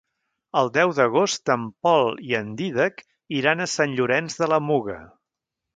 El deu d'agost en Pol i en Dídac iran a Sant Llorenç de la Muga.